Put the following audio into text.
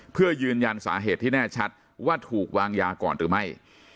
เพื่อยืนยันสาเหตุที่แน่ชัดว่าถูกวางยาก่อนหรือไม่